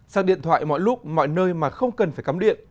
sang điện thoại mọi lúc mọi nơi mà không cần phải cắm điện